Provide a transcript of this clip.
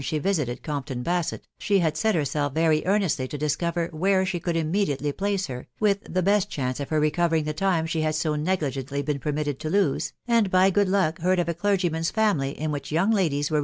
she visited' Gompton< Basett, she; ha* set herself very eames% to discover where she could immediately place her, with the best chance of1 her recovering the time she had so negligently been: permitted. to lose* and by good luck heard of at cltergyKmnis family in * which, young ladies were!